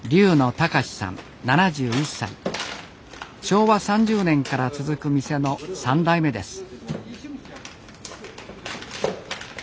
昭和３０年から続く店の３代目です。